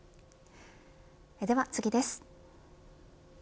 では次です。